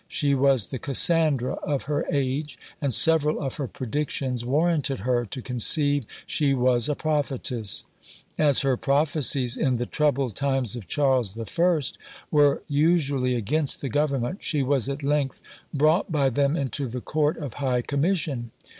She was the Cassandra of her age; and several of her predictions warranted her to conceive she was a prophetess. As her prophecies in the troubled times of Charles I. were usually against the government, she was at length brought by them into the court of High Commission.